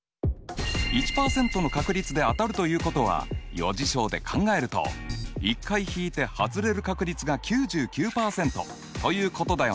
１％の確率で当たるということは余事象で考えると１回引いてはずれる確率が９９％ということだよね。